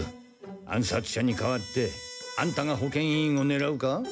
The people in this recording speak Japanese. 暗殺者に代わってあんたが保健委員をねらうか？